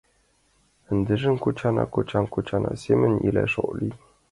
Ындыжым кочана, кочан кочана семын илаш ок лий.